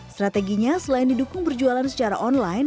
strateginya selain didukung berjualan secara online